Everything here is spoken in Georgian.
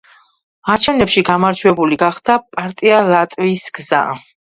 არჩევნებში გამარჯვებული გახდა პარტია ლატვიის გზა.